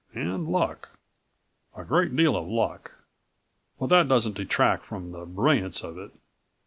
And ... luck. A great deal of luck. But that doesn't detract from the brilliance of it.